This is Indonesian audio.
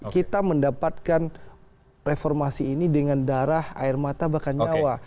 kita mendapatkan reformasi ini dengan darah air mata bahkan nyawa